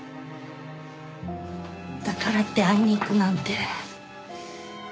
だからって会いに行くなんて。